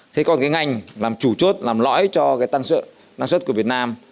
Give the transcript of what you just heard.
thế còn cái ngành làm chủ chốt làm lõi cho cái tăng năng suất của việt nam